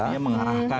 jadi dia mengarahkan